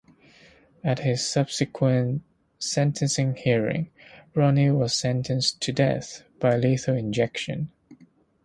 At his subsequent sentencing hearing, Roney was sentenced to death by lethal injection.